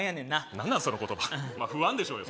何なんその言葉まあ不安でしょうよ